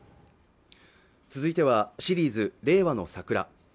続いてはシリーズ「令和のサクラ」